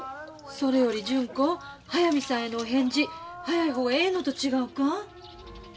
それより純子速水さんへのお返事早い方がええのと違うか？